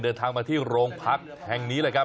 เดินทางมาที่โรงพักแห่งนี้เลยครับ